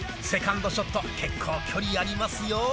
セカンドショット結構距離ありますよ。